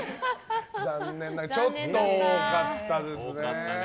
残念ながらちょっと多かったですね。